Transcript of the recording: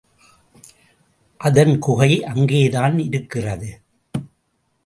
அதன் குகை அங்கேதான் இருக்கிறது.